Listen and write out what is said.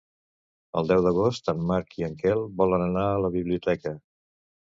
El deu d'agost en Marc i en Quel volen anar a la biblioteca.